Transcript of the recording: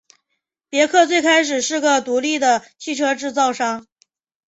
别克最开始是个独立的汽车制造商。